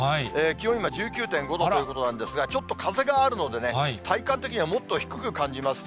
気温今、１９．５度ということなんですが、ちょっと風があるのでね、体感的にはもっと低く感じます。